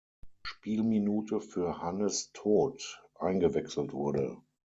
Spielminute für Hannes Toth eingewechselt wurde.